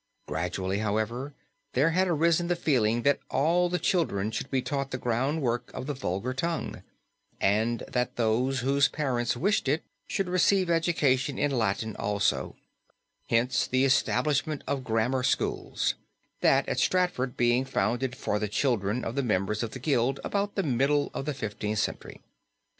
Gradually, however, there had arisen the feeling that all the children should be taught the ground work of the vulgar tongue, and that those whose parents wished it should receive education in Latin also; hence the establishment of grammar schools, that at Stratford being founded for the children of the members of the Guild about the middle of the Fifteenth Century.